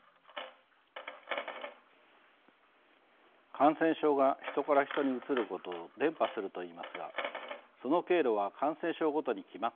感染症が人から人にうつることを伝播すると言いますがその経路は感染症ごとに決まっています。